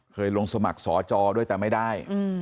เคยลงสมัครสอจอด้วยแต่ไม่ได้